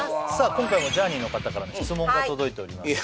今回もジャーニーの方からの質問が届いております